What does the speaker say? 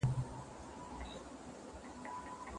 وړل سي.